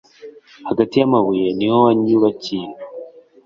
hagati yamabuye niho wanyubakiye